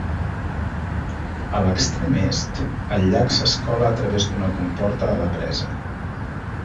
A l'extrem est, el llac s'escola a través d'una comporta a la presa.